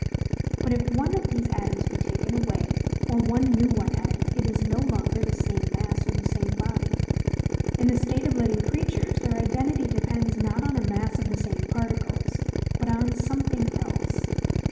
But if one of these atoms be taken away, or one new one added, it is no longer the same mass or the same body. In the state of living creatures, their identity depends not on a mass of the same particles, but on something else.